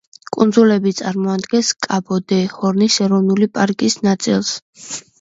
კუნძულები წარმოადგენს კაბო-დე-ჰორნის ეროვნული პარკის ნაწილს.